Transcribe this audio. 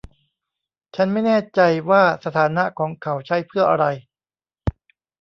ฉันไม่แน่ใจว่าสถานะของเขาใช้เพื่ออะไร